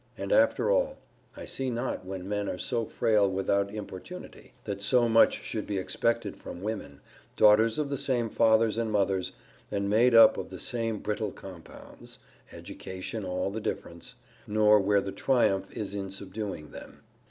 And, after all, I see not when men are so frail without importunity, that so much should be expected from women, daughters of the same fathers and mothers, and made up of the same brittle compounds, (education all the difference,) nor where the triumph is in subduing them.